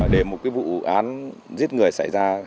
để một cái vụ án giết người xảy ra